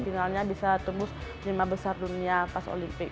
tinggalnya bisa tumbuh kejemaah besar dunia pas olimpik